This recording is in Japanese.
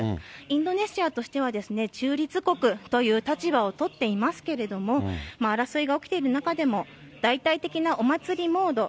インドネシアとしては、中立国という立場をとっていますけれども、争いが起きている中でも、大々的なお祭りモード、